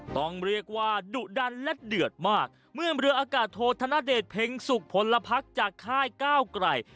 ต้องเรียกว่าดุดันและเดือดมากเมื่อเรืออากาศโทษธนเดชเพ็งสุขผลพักจากค่ายก้าวไกล